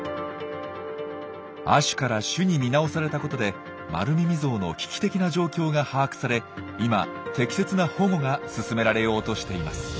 亜種から種に見直されたことでマルミミゾウの危機的な状況が把握され今適切な保護が進められようとしています。